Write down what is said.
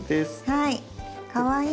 はい。